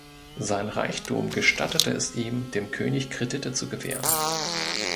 Sein Reichtum gestattete es ihm, dem König Kredite zu gewähren.